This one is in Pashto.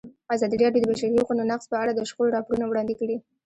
ازادي راډیو د د بشري حقونو نقض په اړه د شخړو راپورونه وړاندې کړي.